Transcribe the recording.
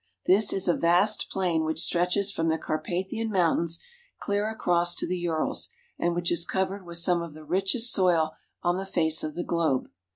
This is a vast plain which stretches from the Carpathian Mountains clear across to the Urals, and which is covered with some of the richest soil on the face of the globe.